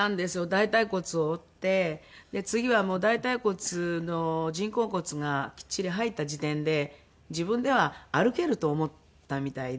大腿骨を折って次は大腿骨の人工骨がきっちり入った時点で自分では歩けると思ったみたいで。